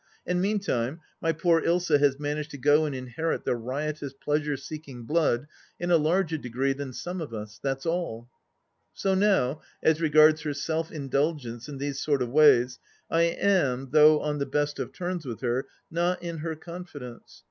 ... And meantime, my poor Ilsa has managed to go and inherit the riotous pleasure seeking blood in a larger degree than some of us — that's all. So now, as regards her self indulgence in these sort of ways, I am, though on the best of terms with her, not in her confidence.